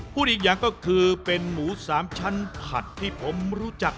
พูดอีกอย่างก็คือเป็นหมูสามชั้นผัดที่ผมรู้จัก